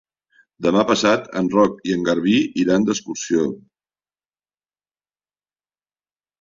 Demà passat en Roc i en Garbí iran d'excursió.